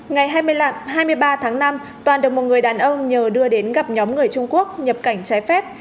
ngày hai mươi ba tháng năm toàn được một người đàn ông nhờ đưa đến gặp nhóm người trung quốc nhập cảnh trái phép